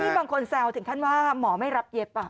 บางคนแซวถึงขั้นว่าหมอไม่รับเย็บ